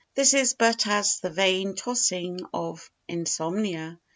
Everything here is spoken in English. This is but as the vain tossing of insomnia.